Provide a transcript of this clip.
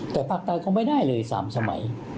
แต่ภากต่างก็ไม่ได้เลยสามสมัย